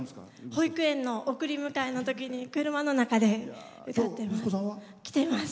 保育園の送り迎えのときに車の中で歌っています。